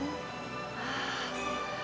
ああ。